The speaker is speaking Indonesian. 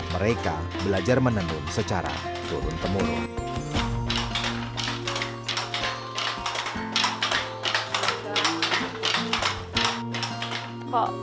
mereka belajar menenun secara turun temurun